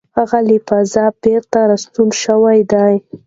هغه له فضا بېرته راستون شوی دی.